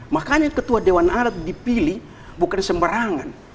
makanya ketua dewan alat dipilih bukan sembarangan